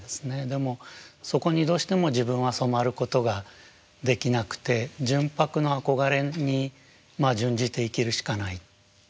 でもそこにどうしても自分は染まることができなくて純白の憧れに殉じて生きるしかない。